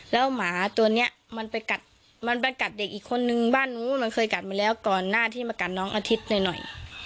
แล้วหมาตัวนี้มันไปกัดมันไปกัดเด็กอีกคนนึงบ้านนู้นมันเคยกัดมาแล้วก่อนหน้าที่มากัดน้องอาทิตย์หน่อย